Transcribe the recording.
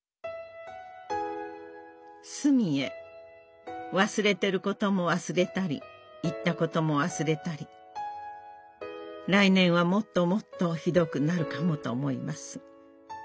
「すみへわすれてることもわすれたり言ったこともわすれたり来年はもっともっとひどくなるかもと思います！